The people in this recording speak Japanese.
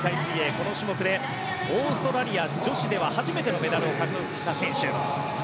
この種目オーストラリア女子で初めてメダルを獲得した選手。